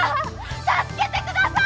助けてください！